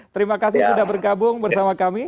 terima kasih sudah bergabung bersama kami